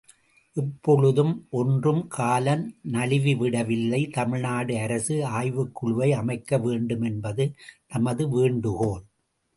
இப்பொழுதும் ஒன்றும் காலம் நழுவி விடவில்லை தமிழ்நாடு அரசு ஆய்வுக்குழுவை அமைக்க வேண்டுமென்பது நமது வேண்டுகோள்.